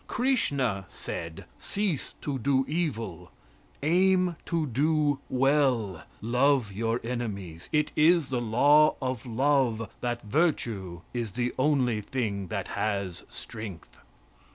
Krishna said: "Cease to do evil; aim to do well; love your enemies. It is the law of love that virtue is the only thing that has strength."